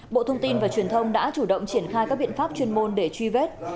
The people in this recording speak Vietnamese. bộ thông tin và truyền thông đã chủ động triển khai các biện pháp chuyên môn để truy vết